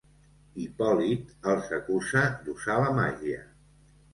Hipòlit els acusa d'usar la màgia.